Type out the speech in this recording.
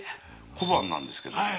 小判なんですけど。